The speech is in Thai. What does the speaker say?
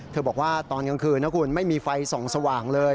บอกว่าตอนกลางคืนนะคุณไม่มีไฟส่องสว่างเลย